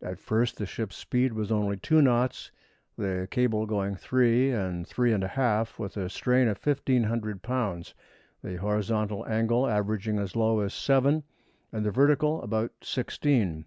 At first the ship's speed was only two knots, the cable going three and three and a half with a strain of 1,500 lbs., the horizontal angle averaging as low as seven and the vertical about sixteen.